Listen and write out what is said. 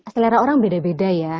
selera orang beda beda ya